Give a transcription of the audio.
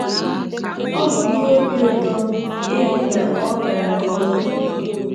Ọ bụ ihe obiụtọ ihụ na ọ gara nke ọma